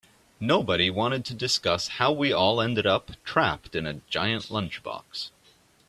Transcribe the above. Nobody wanted to discuss how we all ended up trapped in a giant lunchbox.